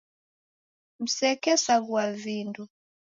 Msekesaghua vindo.